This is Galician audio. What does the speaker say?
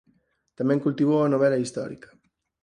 Tamén cultivou a novela histórica.